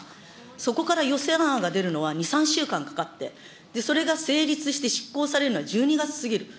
そこから予算案が出るのは、２、３週間かかって、それが成立して執行されるのは１２月過ぎる。